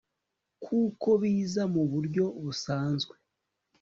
kuko biza muburyo busanzwe